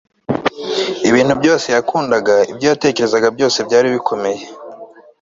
ibintu byose yakundaga, ibyo yatekerezaga byose byari bikomeye